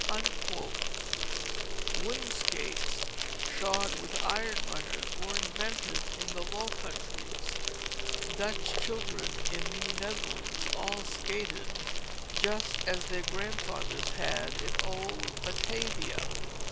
[Illustration: White House Doll] Wooden skates shod with iron runners were invented in the Low Countries. Dutch children in New Netherlands all skated, just as their grandfathers had in old Batavia.